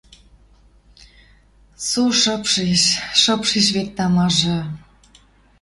Со шыпшеш, шыпшеш вет тамажы